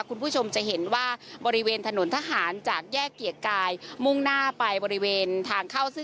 คุณผู้ชมจะเห็นว่าบริเวณถนนทหารจากแยกเกียรติกายมุ่งหน้าไปบริเวณทางเข้าซึ่ง